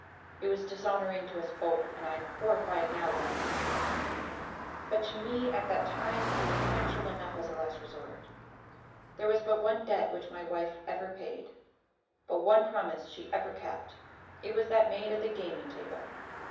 It was dishonouring to us both, and I'm horrified now when I think of it. But to me at that time it was natural enough as a last resort. There was but one debt which my wife ever paid, but one promise she ever kept. It was that made at the gaming table.